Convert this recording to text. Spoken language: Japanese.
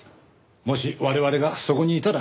もし我々がそこにいたら。